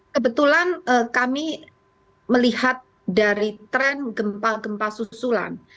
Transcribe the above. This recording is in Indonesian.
kebetulan kami melihat dari tren gempa gempa susulan